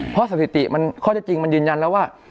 เพราะสถิติข้อจริงยืนยันแล้วว่า